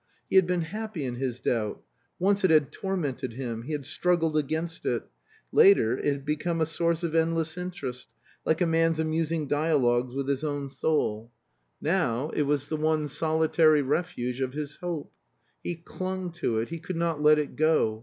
He had been happy in his doubt. Once it had tormented him; he had struggled against it; later, it had become a source of endless interest, like a man's amusing dialogues with his own soul; now, it was the one solitary refuge of his hope. He clung to it, he could not let it go.